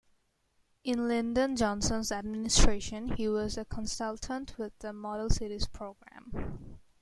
In Lyndon Johnson's administration he was a consultant with the Model Cities Program.